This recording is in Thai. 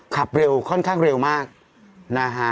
ขับเร็วค่อนข้างเร็วมากนะฮะ